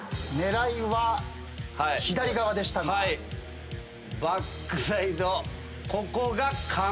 狙いは左側でしたが。